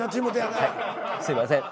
すいません。